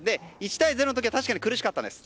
１対０の時は確かに苦しかったです。